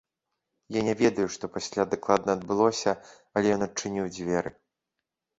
Я не ведаю, што пасля дакладна адбылося, але ён адчыніў дзверы.